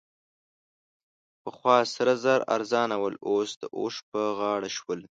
پخوا سره زر ارزانه ول؛ اوس د اوښ په غاړه شول.